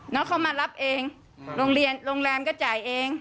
น้องเขามารับเองโรงเรียนโรงแรมก็จ่ายเอง